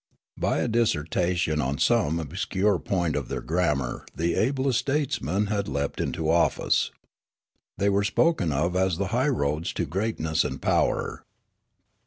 Bj^ a dissertation on some obscure point of their grammar the ablest statesmen had leapt into office. They were spoken of as the highroads to greatness and power.